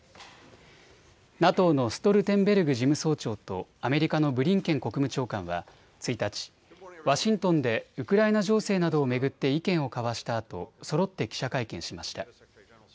ＮＡＴＯのストルテンベルグ事務総長とアメリカのブリンケン国務長官は１日、ワシントンでウクライナ情勢などを巡って意見を交わしたあとそろって記者会見しました。